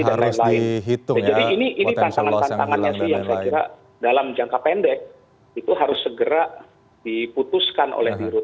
jadi ini tantangannya sih yang saya kira dalam jangka pendek itu harus segera diputuskan oleh rut